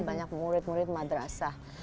banyak murid murid madrasah